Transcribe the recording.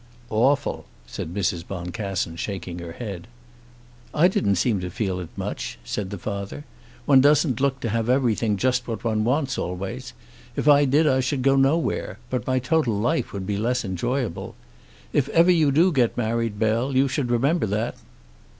"Awful!" said Mrs. Boncassen, shaking her head. "I didn't seem to feel it much," said the father. "One doesn't look to have everything just what one wants always. If I did I should go nowhere; but my total life would be less enjoyable. If ever you do get married, Bell, you should remember that."